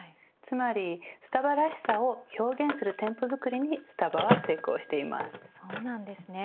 つまりスタバらしさを表現する店舗作りにスタバは成功しています。